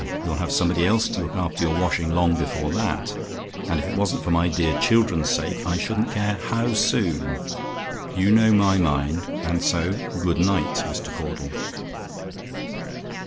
you'll have somebody else to look after your washing long before that and if it wasn't for my dear children's sake I shouldn't care how soon. You know my mind and so, good night, Mr. Caudle."